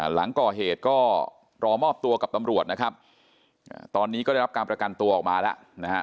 หลังก่อเหตุก็รอมอบตัวกับตำรวจนะครับตอนนี้ก็ได้รับการประกันตัวออกมาแล้วนะฮะ